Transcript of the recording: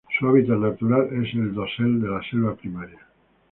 Su hábitat natural es el dosel de la selva primaria.